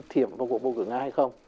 có can thiệp vào cuộc bầu cử nga hay không